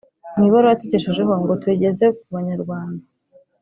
Mu ibaruwa yatugejejeho ngo tuyigeze ku banyarwanda